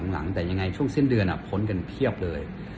หลังแต่ยังไงช่วงสิ้นเดือนพ้นกันเพียบเลย